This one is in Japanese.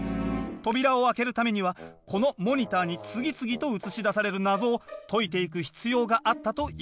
扉を開けるためにはこのモニターに次々と映し出される謎を解いていく必要があったといいます。